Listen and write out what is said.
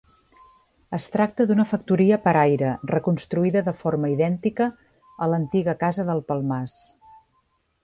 Es tracta d'una factoria paraire reconstruïda de forma idèntica a l'antiga casa del Palmàs.